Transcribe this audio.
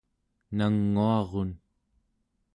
nanguarun